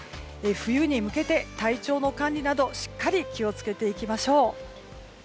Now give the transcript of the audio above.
冬に向けて体調の管理などしっかり気を付けていきましょう。